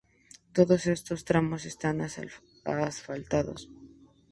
Todos estos tramos están asfaltados.